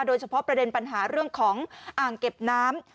โดยเฉพาะประเด็นปัญหาเรื่องของอ่างเก็บน้ำ